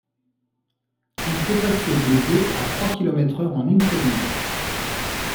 Il peut passer de deux à trois kilomètres-heure en une seconde.